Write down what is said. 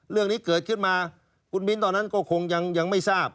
เรื่องนี้เกิดขึ้นมาคุณมิ้นตอนนั้นก็คงยังไม่ทราบ